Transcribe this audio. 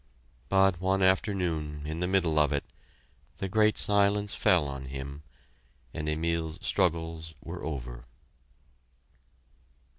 But one afternoon, in the middle of it, the great silence fell on him, and Emile's struggles were over.